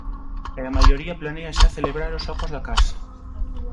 E a maioría planea xa celebralo só cos da casa.